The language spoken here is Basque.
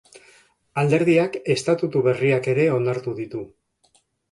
Alderdiak estatutu berriak ere onartu ditu.